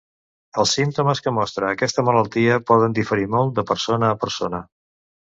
Els símptomes que mostra aquesta malaltia poden diferir molt de persona a persona.